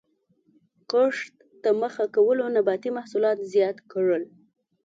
کښت ته مخه کولو نباتي محصولات زیات کړل.